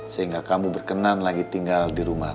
sehingga kamu berkenan lagi tinggal di rumah